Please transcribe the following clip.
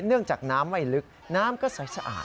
เนื่องจากน้ำไม่ลึกน้ำก็ใสสะอาด